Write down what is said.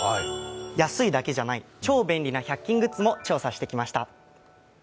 安いだけじゃない、超便利な１００均グッズも調査してきました。